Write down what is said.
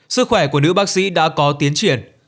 sức khỏe của nữ bác sĩ đã có tiến triển